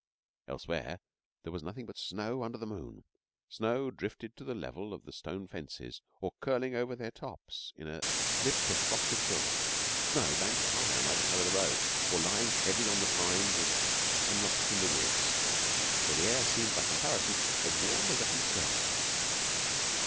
Elsewhere there was nothing but snow under the moon snow drifted to the level of the stone fences or curling over their tops in a lip of frosted silver; snow banked high on either side of the road, or lying heavy on the pines and the hemlocks in the woods, where the air seemed, by comparison, as warm as a conservatory.